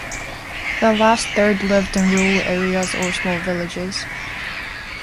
The last third lived in rural areas or small villages.